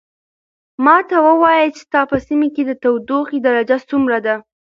ماته ووایه چې ستا په سیمه کې د تودوخې درجه څومره ده.